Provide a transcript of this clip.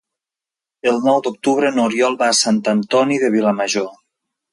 El nou d'octubre n'Oriol va a Sant Antoni de Vilamajor.